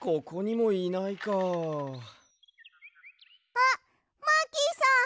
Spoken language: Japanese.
あっマーキーさん！